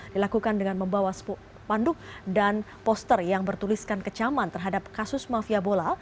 dilakukan dengan membawa panduk dan poster yang bertuliskan kecaman terhadap kasus mafia bola